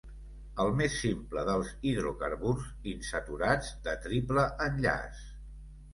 El més simple dels hidrocarburs insaturats de triple enllaç.